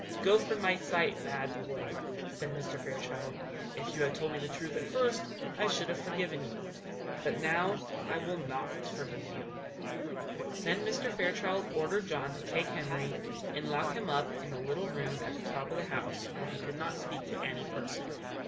"Go from my sight, bad boy!" said Mr. Fairchild; "if you had told the truth at first, I should have forgiven you, but now I will not forgive you." Then Mr. Fairchild ordered John to take Henry, and lock him up in a little room at the top of the house, where he could not speak to any person.